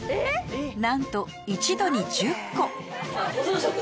なんと一度に１０個